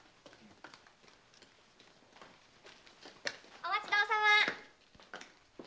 お待ちどおさま！